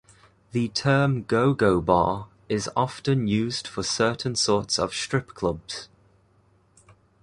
The term go-go bar is often used for certain sorts of strip clubs.